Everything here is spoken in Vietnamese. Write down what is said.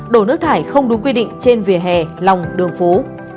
đổ nước thải không đúng quy định trên vỉa hè lòng đường phố